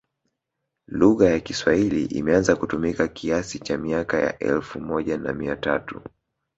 Lugha ya kiswahili imeanza kutumika kiasi cha miaka ya elfu moja na mia tatu